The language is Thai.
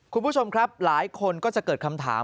คุณผู้ชมครับหลายคนก็จะเกิดคำถาม